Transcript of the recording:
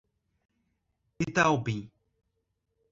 Itaobim